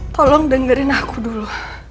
tolong dengerin aku dulu